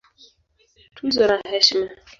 Tuzo na Heshima